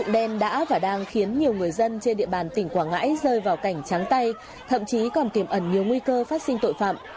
đen đã và đang khiến nhiều người dân trên địa bàn tỉnh quảng ngãi rơi vào cảnh trắng tay thậm chí còn tiềm ẩn nhiều nguy cơ phát sinh tội phạm